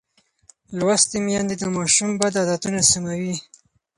لوستې میندې د ماشوم بد عادتونه سموي.